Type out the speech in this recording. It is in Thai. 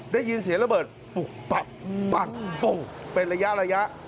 ได้ยินเสียระเบิดปุ๊บไประยะ